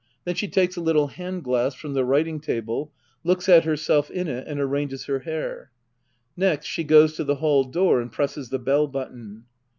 Then she takes a little hand glass from the writing table^ looks at herself in it, and arranges her hair. Next she goes to the hall door and presses the bell button.